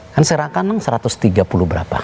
kan serakan satu ratus tiga puluh berapa